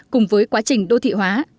cùng với quá trình đô thị hóa